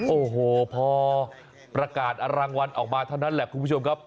โอ้โหพอประกาศรางวัลออกมาเท่านั้นแหละคุณผู้ชมครับ